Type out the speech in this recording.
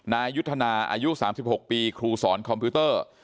นายยุทธนาอายุ๓๖ปีครูสอนคอมพิวเตอร์